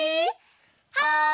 はい！